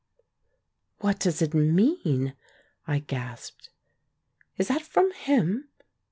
"What does it mean?" I gasped. "Is that from him?"